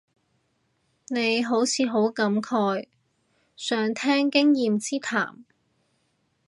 你好似好感慨，想聽經驗之談